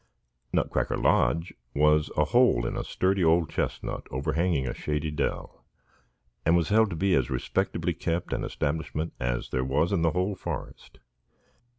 Nutcracker Lodge was a hole in a sturdy old chestnut overhanging a shady dell, and was held to be as respectably kept an establishment as there was in the whole forest.